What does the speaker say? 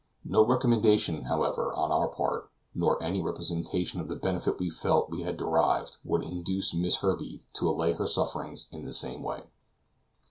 No recommendation, however, on our part, nor any representation of the benefit we felt we had derived, could induce Miss Herbey to allay her sufferings in the same way.